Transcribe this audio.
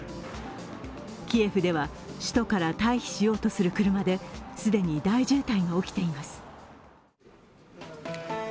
キエフでは、首都から退避しようとする車で既に大渋滞が起きています。